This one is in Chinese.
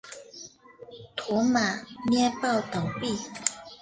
驼马捏报倒毙。